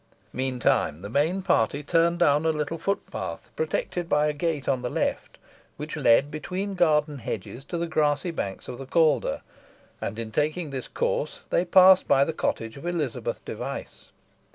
Meantime, the main party turned down a little footpath protected by a gate on the left, which led between garden hedges to the grassy banks of the Calder, and in taking this course they passed by the cottage of Elizabeth Device.